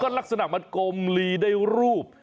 ลักษณะมันกลมลีได้รูป